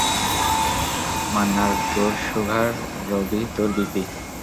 মান্নার তোর শ্যুগার, রভি তোর বিপি।